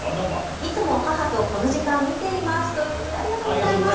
いつも母とこの時間、見ていますということでありがとうございます。